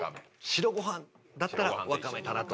白ご飯だったらわかめかなと。